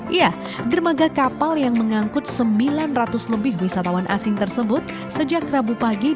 iya dermaga kapal yang mengangkut sembilan ratus lebih wisatawan asing tersebut sejak rabu pagi